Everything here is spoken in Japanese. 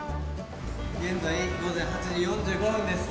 現在午前８時４５分です。